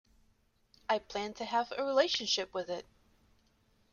I plan to have a relationship with it.